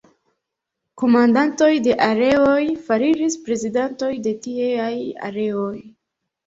Komandantoj de areoj fariĝis prezidantoj de tieaj areoj.